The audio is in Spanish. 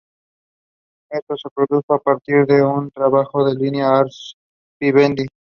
Esto se produjo a partir de un trabajo con la línea Ars Vivendi.